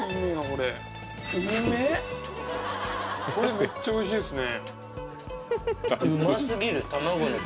これこれめっちゃ美味しいですね